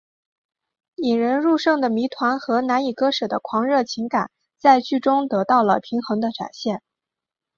引人入胜的谜团和难以割舍的狂热情感在剧中得到了平衡的展现。